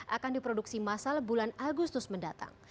akan diproduksi masal bulan agustus mendatang